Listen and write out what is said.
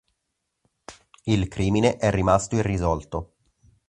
Il crimine è rimasto irrisolto.